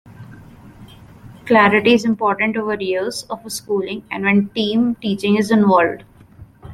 Clarity is important over years of schooling and when team teaching is involved.